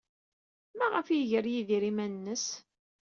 Maɣef ay iger Yidir iman-nnes?